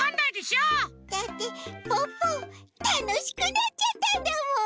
だってポッポたのしくなっちゃったんだもん。